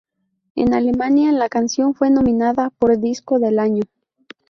En Alemania la canción fue nominada por "Disco del Año".